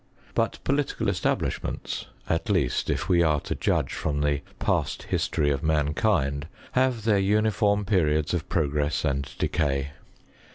But political establishments, at least if we are to judge from the past history of mankind, have their uniform periods of progress and decay.